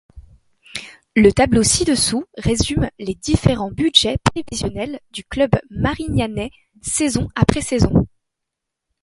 Le tableau ci-dessous résume les différents budgets prévisionnels du club marignanais saison après saison.